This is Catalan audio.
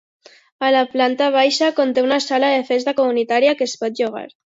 A la planta baixa conté una sala de festa comunitària que es pot llogar.